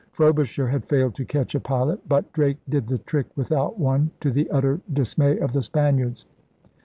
Frobisher had failed to catch a pilot. But Drake did the trick without one, to the utter dis may of the Spaniards.